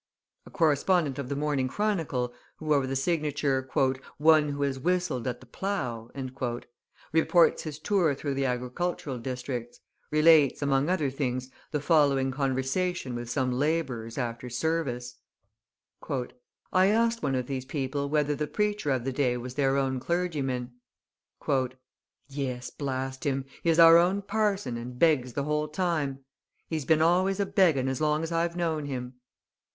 A correspondent of the Morning Chronicle, who, over the signature, "One who has whistled at the plough," reports his tour through the agricultural districts, relates, among other things, the following conversation with some labourers after service: "I asked one of these people whether the preacher of the day was their own clergyman. "Yes, blast him! He is our own parson, and begs the whole time. He's been always a begging as long as I've known him."